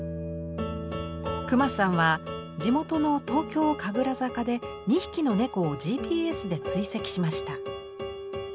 隈さんは地元の東京・神楽坂で２匹の猫をＧＰＳで追跡しました。